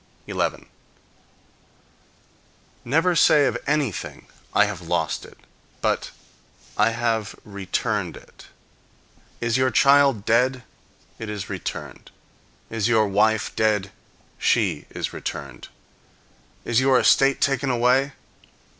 11. Never say of anything, "I have lost it"; but, "I have returned it." Is your child dead? It is returned. Is your wife dead? She is returned. Is your estate taken away?